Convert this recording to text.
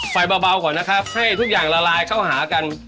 เบาก่อนนะครับให้ทุกอย่างละลายเข้าหากัน